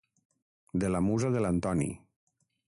De la musa de l'Antoni.